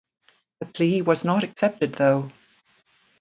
The plea was not accepted though.